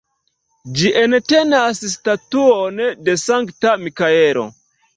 Ĝi entenas statuon de Sankta Mikaelo.